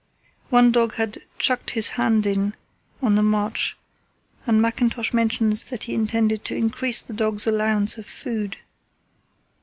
One dog had "chucked his hand in" on the march, and Mackintosh mentions that he intended to increase the dogs' allowance of food.